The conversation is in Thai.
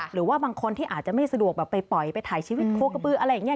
หรือว่าบางคนที่อาจจะไม่สะดวกแบบไปปล่อยไปถ่ายชีวิตโคกระบืออะไรอย่างนี้